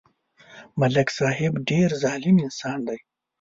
ملک صاحب ډېر ظالم انسان دی